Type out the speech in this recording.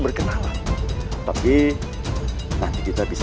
berkenalan tapi nanti kita bisa